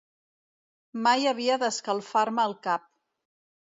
Mai havia d'escalfar-me el cap.